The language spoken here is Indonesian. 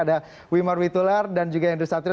ada wimar wituler dan juga andrew satria